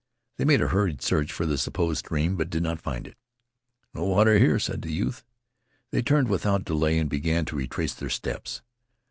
They made a hurried search for the supposed stream, but did not find it. "No water here," said the youth. They turned without delay and began to retrace their steps.